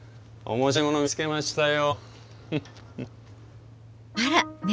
面白いもの見つけましたよ。